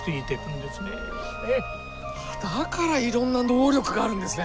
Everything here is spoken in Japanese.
だからいろんな能力があるんですね。